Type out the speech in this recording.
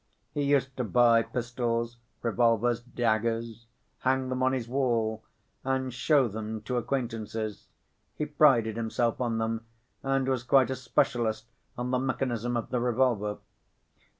He used to buy pistols, revolvers, daggers, hang them on his wall and show them to acquaintances. He prided himself on them, and was quite a specialist on the mechanism of the revolver.